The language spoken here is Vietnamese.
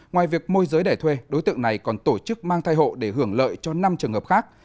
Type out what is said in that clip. ngoài việc môi giới để thuê đối tượng này còn tổ chức mang thai hộ để hưởng lợi cho năm trường hợp khác